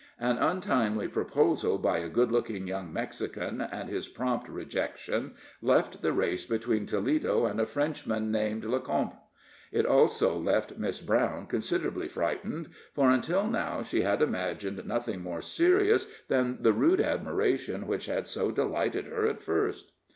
An untimely proposal by a good looking young Mexican, and his prompt rejection, left the race between Toledo and a Frenchman named Lecomte. It also left Miss Brown considerably frightened, for until now she had imagined nothing more serious than the rude admiration which had so delighted her at first.